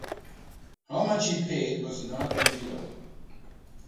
How much he paid was not revealed.